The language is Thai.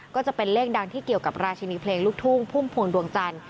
ก็จะเป็นเลขดังที่เกี่ยวกับราชินีเพลงลูกทุ่งพุ่มพวงดวงจันทร์